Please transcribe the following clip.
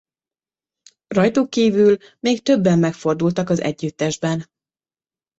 Rajtuk kívül még többen megfordultak az együttesben.